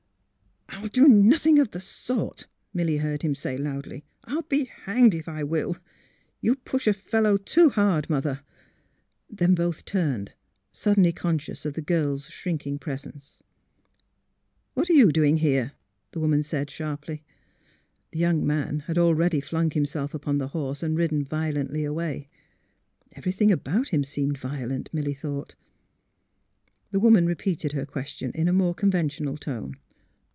I'll do nothing of the sort! " Milly heard him say loudly. *' I '11 be hanged if I will ! You push a fellow too hard, Mother." Then both turned, suddenly conscious of the girl's shrinking presence. 114 THE HEART OF PHH^URA What are you doing here? " the woman said, sharply. The young man had already flung himself upon the horse and ridden violently away. Everything about him seemed violent, Milly thought. The woman repeated her question in a more conven tional tone.